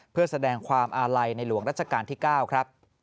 เพื่อแสดงความอาลัยในหลวงรัชกาลที่๙ครับ